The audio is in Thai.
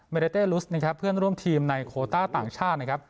เมริเตรลุสเพื่อนร่วมทีมในโคต้าต่างชาตินะครับ